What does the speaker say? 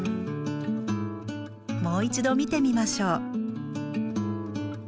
もう一度見てみましょう。